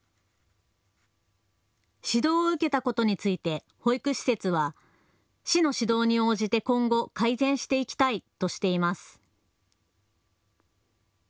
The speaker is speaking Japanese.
指導を受けたことについて保育施設は市の指導に応じて今後、改善していきたいとしています。